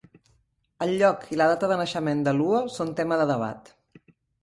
El lloc i la data de naixement de Luo són tema de debat.